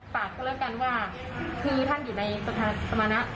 ก็ก็น่าจะทำตัวให้ดีกว่านี้อะค่ะ